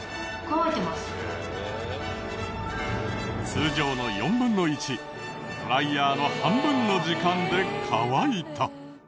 通常の４分の１ドライヤーの半分の時間で乾いた。